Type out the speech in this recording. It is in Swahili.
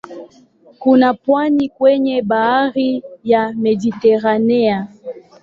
Kuna pwani kwenye bahari ya Mediteranea.